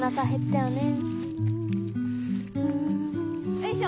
よいしょ。